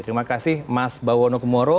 terima kasih mas bawono kumoro